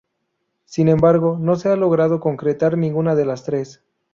Sin embargo, no se ha logrado concretar ninguna de las tres.